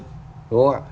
đúng không ạ